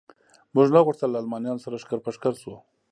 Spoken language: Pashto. موږ نه غوښتل له المانیانو سره ښکر په ښکر شو.